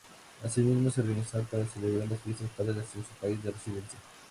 Asimismo, se organizan para celebrar las Fiestas Patrias en sus países de residencia.